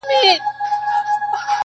ستا بې لیدلو چي له ښاره وځم,